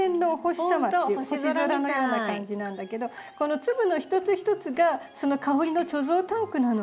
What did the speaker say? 星空のような感じなんだけどこの粒の一つ一つがその香りの貯蔵タンクなの。